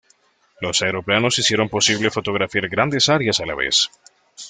Los aeroplanos hicieron posible fotografiar grandes áreas a la vez.